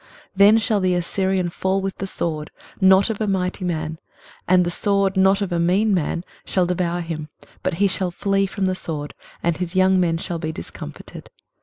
23:031:008 Then shall the Assyrian fall with the sword, not of a mighty man; and the sword, not of a mean man, shall devour him: but he shall flee from the sword, and his young men shall be discomfited.